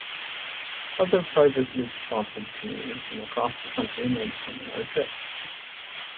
Other privately sponsored canoes from across the country made similar trips.